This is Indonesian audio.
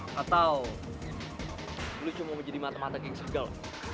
katau lu cuma mau jadi mata mata geng sergal